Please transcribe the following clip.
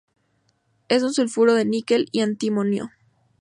Es un sulfuro de níquel y antimonio.